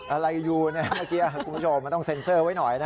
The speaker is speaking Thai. อะไรยูนะเมื่อกี๊กรุมทรงพี่โจ้มต้องส่งเซอร์ไว้หน่อยนะ